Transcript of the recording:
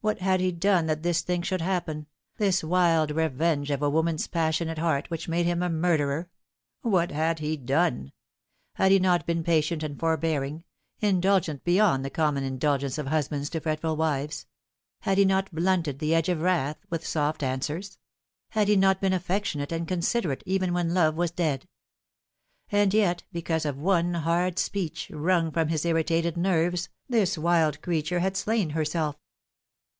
What had he done that this thing should happen, this wild revenge of a woman's passionate heart which made him a murderer ? What had he done ? Had he not been patient and forbearing, indulgent beyond the common indulgence of husbands to fretful wives ? Had he not blunted the edge of wrath with soft answers ? Had he not been affectionate and considerate even when love was dead ? And yet because of one hard speech, wrung from his irritated nerves, this wild creature had slain herself.